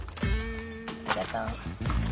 ありがとう。